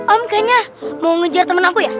om kayaknya mau ngejar temen aku ya